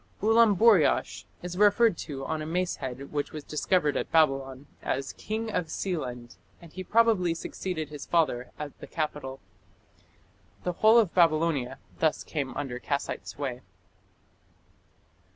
Ulamburiash is referred to on a mace head which was discovered at Babylon as "king of Sealand", and he probably succeeded his father at the capital. The whole of Babylonia thus came under Kassite sway.